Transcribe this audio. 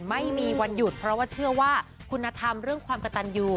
ไม่มีวันหยุดเพราะว่าเชื่อว่าคุณธรรมเรื่องความกระตันอยู่